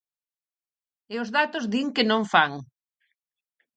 E os datos din que non fan.